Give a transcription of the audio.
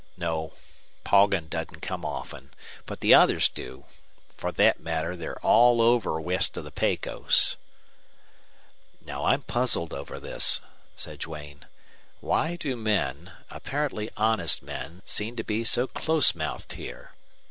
No, Poggin doesn't come often. But the others do. For thet matter, they're around all over west of the Pecos." "Now I'm puzzled over this," said Duane. "Why do men apparently honest men seem to be so close mouthed here?